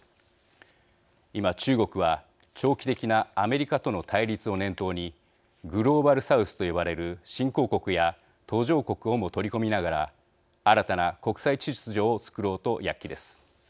今中国は長期的なアメリカとの対立を念頭にグローバル・サウスと呼ばれる新興国や途上国をも取り込みながら新たな国際秩序を作ろうと躍起です。